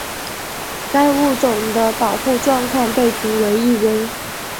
该物种的保护状况被评为易危。